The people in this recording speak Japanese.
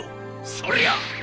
そりゃ！」。